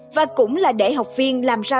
và cũng là để học viên làm ra